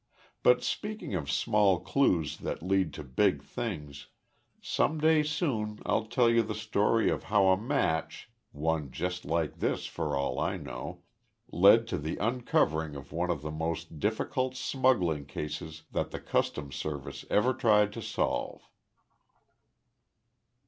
But speaking of small clues that lead to big things, some day soon I'll tell you the story of how a match one just like this, for all I know led to the uncovering of one of the most difficult smuggling cases that the Customs Service ever tried to solve."